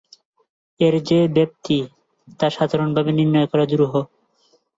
এর যে ব্যাপ্তি তা, সাধারণভাবে নির্ণয় করা দুরূহ।